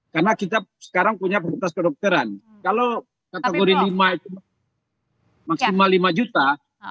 karena kita sekarang punya peruntas kedokteran kalau kategori lima itu maksimal lima juta